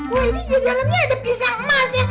wah ini dia dalamnya ada pisang emas